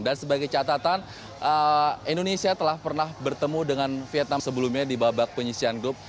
dan sebagai catatan indonesia telah pernah bertemu dengan vietnam sebelumnya di babak penyisian grup